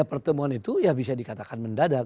pertemuan itu ya bisa dikatakan mendadak